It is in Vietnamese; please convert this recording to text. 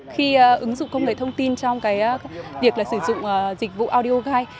khi ứng dụng công nghệ thông tin trong việc sử dụng dịch vụ audio guide